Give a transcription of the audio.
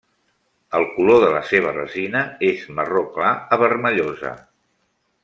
El color de la seva resina és marró clar a vermellosa.